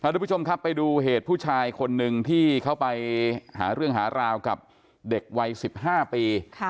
ทุกผู้ชมครับไปดูเหตุผู้ชายคนหนึ่งที่เขาไปหาเรื่องหาราวกับเด็กวัย๑๕ปี